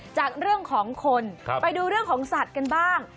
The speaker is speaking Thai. จากเรื่องของคนไปดูเรื่องของสัตว์กันบ้าง